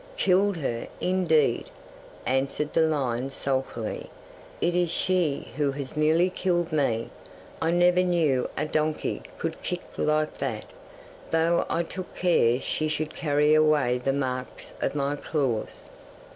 '"Killed her, indeed!" answered the lion sulkily, "it is she who has nearly killed me. I never knew a donkey could kick like that, though I took care she should carry away the marks of my claws."